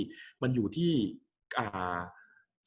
กับการสตรีมเมอร์หรือการทำอะไรอย่างเงี้ย